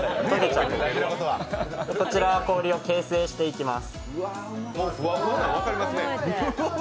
こちら、氷を形成していきます。